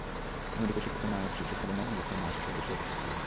অন্যদিকে শিক্ষিত মায়ের শিশুর তুলনায় নিরক্ষর মায়ের শিশুরা বেশি অপুষ্টিতে ভোগে।